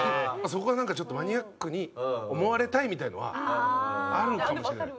そこはなんかちょっとマニアックに思われたいみたいなのはあるのかもしれない。